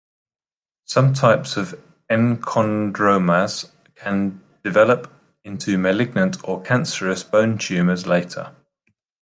Some types of enchondromas can develop into malignant, or cancerous, bone tumors later.